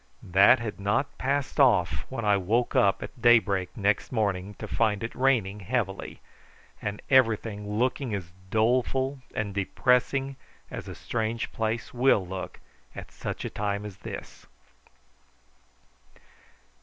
This had not passed off when I woke up at daybreak next morning, to find it raining heavily, and everything looking as doleful and depressing as a strange place will look at such a time as this.